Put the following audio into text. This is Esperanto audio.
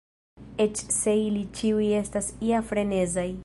Eĉ se ili ĉiuj estas ja frenezaj.